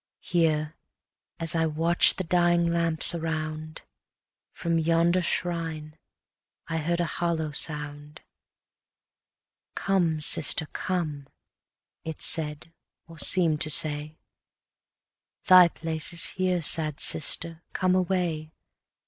Here, as I watch'd the dying lamps around, From yonder shrine I heard a hollow sound. 'Come, sister, come!' (it said, or seem'd to say) 'Thy place is here, sad sister, come away!